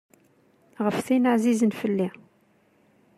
Ɣef tin ɛzizen fell-i.